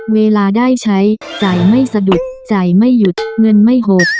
เวลาได้ใช้จ่ายไม่สะดุดจ่ายไม่หยุดเงินไม่หก